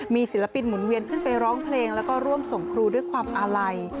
มีศิลปินหมุนเวียนขึ้นไปร้องเพลงแล้วก็ร่วมส่งครูด้วยความอาลัย